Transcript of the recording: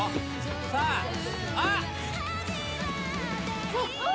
さああっ！